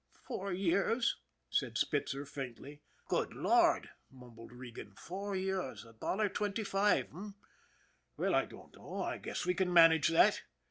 " Four years," said Spitzer faintly. " Good Lord !" mumbled Regan. " Four years. A dollar twenty five, h'm ? Well, I dunno, I guess we can manage that."